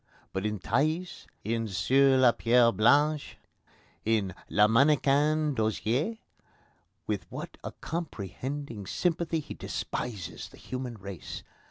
But in Thaïs, in Sur la Pierre Blanche, in Le Mannequin d'Osier, with what a comprehending sympathy he despises the human race!